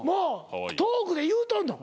トークで言うとんの？